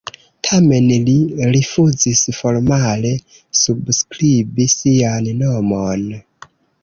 Tamen li rifuzis formale subskribi sian nomon.